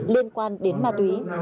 liên quan đến ma túy